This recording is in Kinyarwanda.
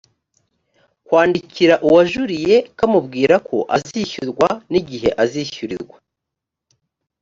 kwandikira uwajuriye kamubwira ko azishyurwa n igihe azishyurirwa